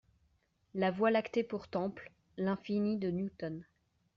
La Voie lactée pour temple, l'infini de Newton.